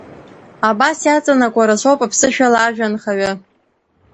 Абас иаҵанакуа рацәоуп аԥсышәала ажәа анхаҩы.